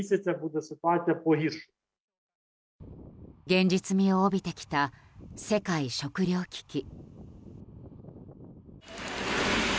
現実味を帯びてきた世界食糧危機。